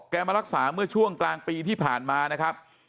มารักษาเมื่อช่วงกลางปีที่ผ่านมานะครับ